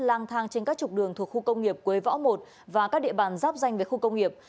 lang thang trên các trục đường thuộc khu công nghiệp quế võ một và các địa bàn giáp danh với khu công nghiệp